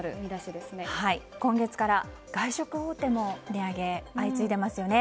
今月から外食大手も値上げが相次いでいますよね。